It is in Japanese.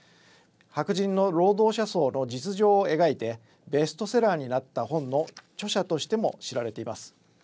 白人の労働者層の実情を描いてベストセラーになった本の著者としても知られています。